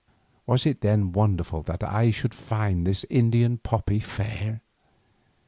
Was it then wonderful that I should find this Indian poppy fair?